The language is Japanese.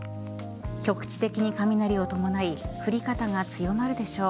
局地的に雷を伴い降り方が強まるでしょう。